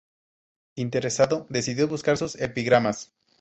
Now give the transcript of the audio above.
Interesado, decidió buscar sus epigramas.